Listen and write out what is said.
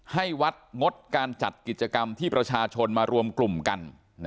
ให้วัดงดการจัดกิจกรรมที่ประชาชนมารวมกลุ่มกัน